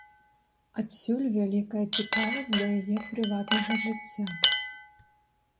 Адсюль вялікая цікавасць да яе прыватнага жыцця.